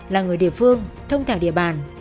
là người địa phương thông thảo địa bàn